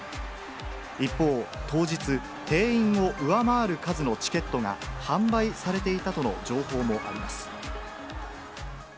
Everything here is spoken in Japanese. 一方、当日、定員を上回る数のチケットが販売されていたとの情報もあります。